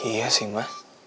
iya sih ma